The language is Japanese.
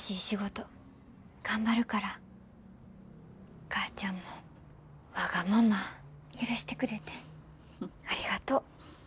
お母ちゃんもわがまま許してくれてありがとう。